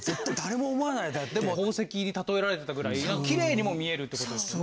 でも宝石に例えられてたぐらいきれいにも見えるってことですよね。